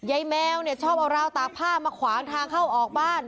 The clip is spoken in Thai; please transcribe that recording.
แมวเนี่ยชอบเอาราวตากผ้ามาขวางทางเข้าออกบ้าน